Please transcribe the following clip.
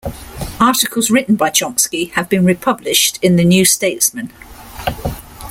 Articles written by Chomsky have been republished in the "New Statesman".